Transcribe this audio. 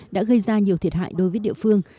đã gây ra nhiều thiệt hại đối với địa phương